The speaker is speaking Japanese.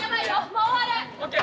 もう終わる！ＯＫ。